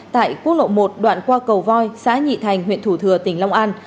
tại quốc lộ một đoạn qua cầu voi xã nhị thành huyện thủ thừa tỉnh long an